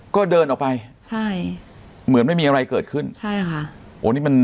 ก็เดินออกไปใช่เหมือนไม่มีอะไรเกิดขึ้นใช่ค่ะโอ้นี่มัน